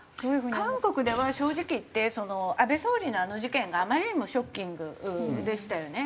韓国では正直言って安倍総理のあの事件があまりにもショッキングでしたよね。